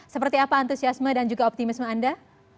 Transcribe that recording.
seperti apa antusiasme dan juga optimisme anda